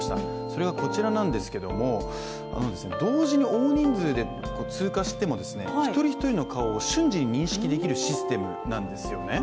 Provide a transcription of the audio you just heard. それがこちらなんですけれども同時に大人数で通過しても一人一人の顔を瞬時に認識できるシステムなんですよね。